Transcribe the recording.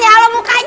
ya allah mukanya